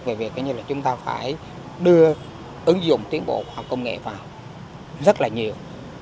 về việc như là chúng ta phải đưa ứng dụng tiến bộ khoa học công nghệ vào rất là nhiều